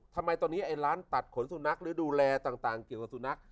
ทำไมตอนนี้ไอ้ร้านตัดขนสุนัขหรือดูแลต่างเกี่ยวกับสุนัข